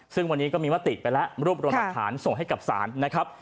ซึ่งวันนี้ก็มีมติไปแล้วรวบรวมหลักฐานส่งให้กับศาลนะครับ